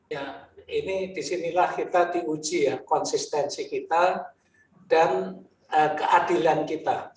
ya ini disinilah kita diuji ya konsistensi kita dan keadilan kita